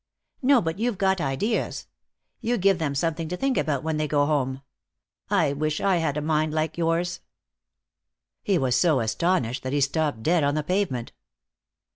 "No, but you've got ideas. You give them something to think about when they go home. I wish I had a mind like yours." He was so astonished that he stopped dead on the pavement.